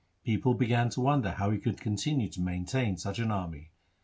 People began to wonder how he could continue to maintain such an army.